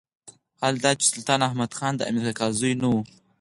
حال دا چې سلطان احمد خان د امیر کاکا زوی نه وو.